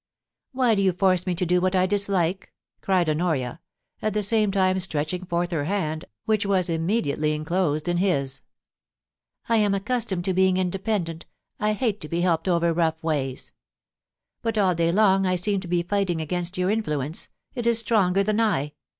*Why do you force me to do what I dislike?' cried Honoria, at the same time stretching forth her hand, which was immediately enclosed in his. *I am accustomed to being independent — I hate to be helped over rough wa3rs. ... But all daylong I seem to be fighting against your influence — it is stronger than I.